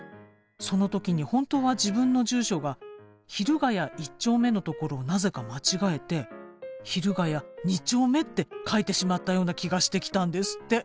その時に本当は自分の住所が昼ヶ谷一丁目のところをなぜか間違えて昼ヶ谷二丁目って書いてしまったような気がしてきたんですって。